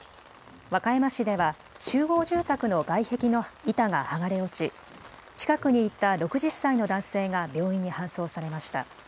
和歌山市では、集合住宅の外壁の板が剥がれ落ち、近くにいた６０歳の男性が病院に搬送されました。